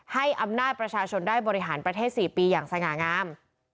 ให้อำนาจประชาชนได้บริหารประเทศ๔ปีอย่างสง่างาม